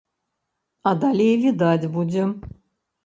А далей відаць будзе.